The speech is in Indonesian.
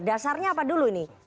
dasarnya apa dulu ini